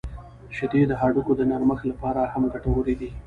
• شیدې د هډوکو د نرمښت لپاره هم ګټورې دي.